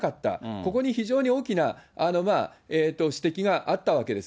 ここに非常に大きな指摘があったわけです。